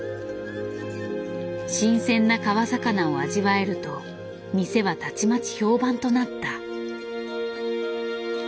新鮮な川魚を味わえると店はたちまち評判となった。